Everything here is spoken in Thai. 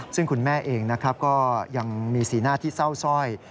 ซึ่งคุณแม่เองก็ยังมีศีลหน้าที่เศร้าสร้อย